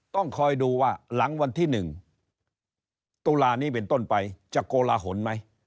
ต้องคอยดูว่าหลังวันที่๑ตุลานี้เป็นต้นไปจะโกลาหลไหม